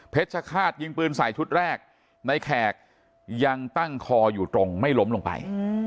ชคาตยิงปืนใส่ชุดแรกในแขกยังตั้งคออยู่ตรงไม่ล้มลงไป